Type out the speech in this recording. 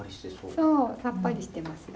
そうさっぱりしてますよ。